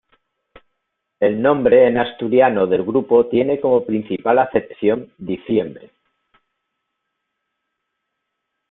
El nombre en asturiano del grupo tiene como principal acepción "diciembre".